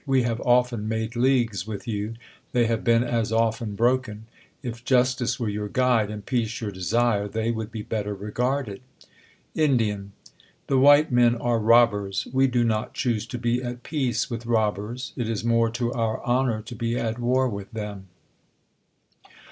We have often made leagues with you; they have been as often broken. If justice were your guide, and peace your desire, they would be better regarded. Ind. The White Men are robbers. We do not choose to be at peace with robbers ; it is more to our honor to be at war with them.